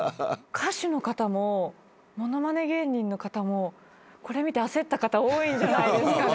歌手の方も物まね芸人の方もこれ見て焦った方多いんじゃないですかね？